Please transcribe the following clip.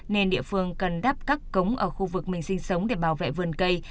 nên địa phương cần đắp các cống ở khu vực mình sinh sống để bảo vệ vườn cây